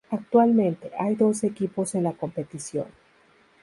Actualmente, hay doce equipos en la competición.